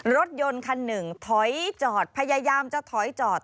รถยนต์คันหนึ่งถอยจอดพยายามจะถอยจอด